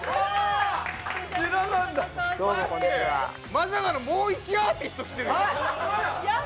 まさかのもう１アーティスト来てるやん！